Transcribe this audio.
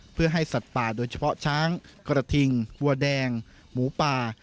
เพื่อให้สัตว์ป่าโดยเฉพาะช้างกระทิงวัวแดงหมูป่า